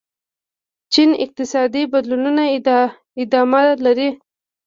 چین اقتصادي بدلونونه ادامه لري.